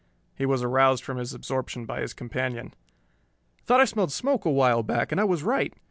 He was aroused from his absorption by his companion. "Thought I smelled smoke a while back, and I was right.